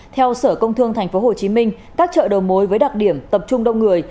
theo sở công thương tp hcm các chợ đầu mối với đặc điểm tập trung đông người